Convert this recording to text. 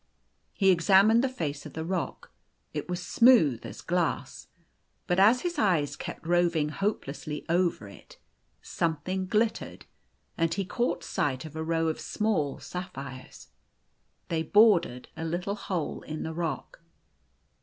He examined the face of the rock. It was smooth as glass. But as his eyes kept roving hope lessly over it, something glittered, and he caught sight of a row of small sapphires. They bordered a little hole in the rock.